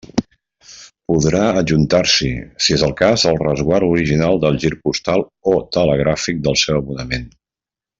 Podrà adjuntar-s'hi, si és el cas, el resguard original del gir postal, o telegràfic del seu abonament.